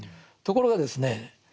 ところがですね